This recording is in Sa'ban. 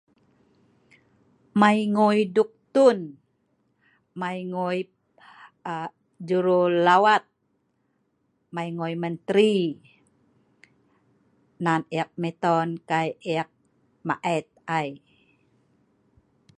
Mai nguui duktun mai ngooi aa.. jurulawat mai nguui menteri nan eek miton kai eek maet ai